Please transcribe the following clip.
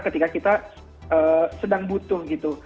ketika kita sedang butuh